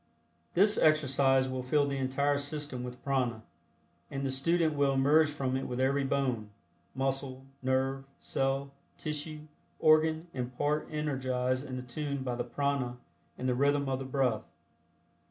This exercise will fill the entire system with prana, and the student will emerge from it with every bone, muscle, nerve, cell, tissue, organ and part energized and attuned by the prana and the rhythm of the breath.